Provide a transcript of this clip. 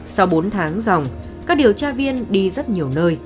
sau bốn tháng dòng các điều tra viên đi rất nhiều nơi